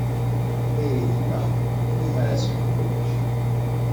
Tayri tella, tin iwumi ara tt-fkeɣ ulac.